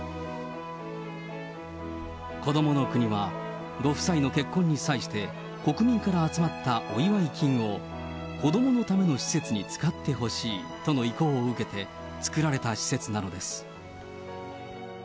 こどもの国は、ご夫妻の結婚に際して、国民から集まったお祝い金を、子どものための施設に使ってほしいとの意向を受けて、作られた施設なのです。